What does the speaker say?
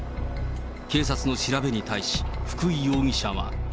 警察の調べに対し、福井容疑者は。